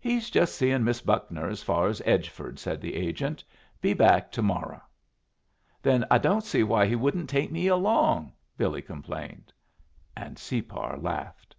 "He's just seeing Miss Buckner as far as Edgeford," said the agent. "Be back to morrow." "Then I don't see why he wouldn't take me along," Billy complained. And Separ laughed.